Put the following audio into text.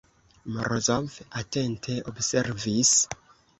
Morozov atente observis.